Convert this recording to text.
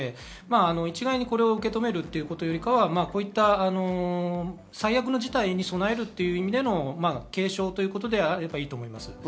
一概にこれを受け止めるというよりは、こういった最悪の事態に備えるという意味での軽症ということであればいいと思います。